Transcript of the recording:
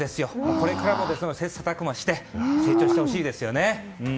これからも切磋琢磨して成長してほしいですね。